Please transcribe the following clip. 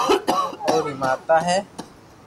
اوري ماتا ھي